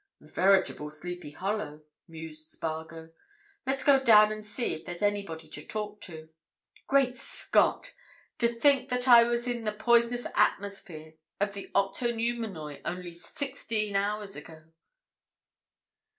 "A veritable Sleepy Hollow," mused Spargo. "Let's go down and see if there's anybody to talk to. Great Scott!—to think that I was in the poisonous atmosphere of the Octoneumenoi only sixteen hours ago!"